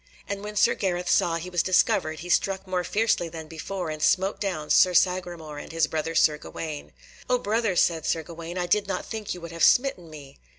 And when Sir Gareth saw he was discovered, he struck more fiercely than before, and smote down Sir Sagramore, and his brother Sir Gawaine. "O brother," said Sir Gawaine, "I did not think you would have smitten me!"